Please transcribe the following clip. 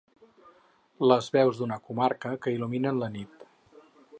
Les veus d’una comarca que il·luminen la nit.